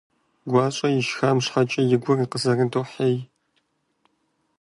ГуащӀэ ишхам щхьэкӀэ и гур къызэрыдохьей.